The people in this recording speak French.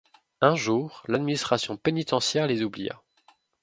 Un jour, l'administration pénitentiaire les oublia.